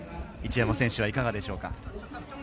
一山選手いかがでしょうか。